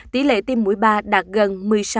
tỷ lệ tiêm mũi ba đạt gần một mươi sáu hai mươi bảy